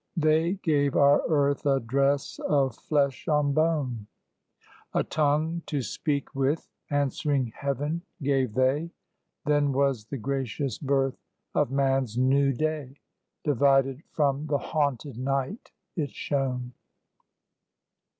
They gave our earth a dress of flesh on bone; A tongue to speak with answering heaven gave they. Then was the gracious birth of man's new day; Divided from the haunted night it shone.